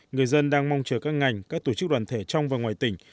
người dân đang mong chờ các ngành các tổ chức đoàn thể trong và ngoài tỉnh